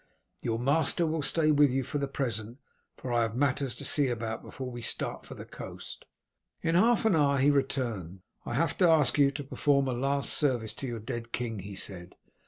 Your master will stay with you for the present, for I have matters to see about before we start for the coast." In half an hour he returned. "I have to ask you to perform a last service to your dead king," he said.